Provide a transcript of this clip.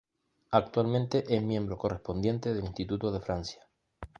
Actualmente es miembro correspondiente del Instituto de Francia.